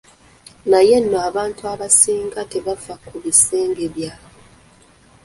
Naye nno abantu abasinga tebafa ku bisenge byabwe.